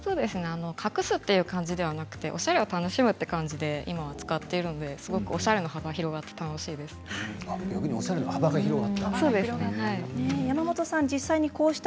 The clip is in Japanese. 隠すというのではなくおしゃれを楽しむという感じで使っているのでおしゃれの幅が広がりました。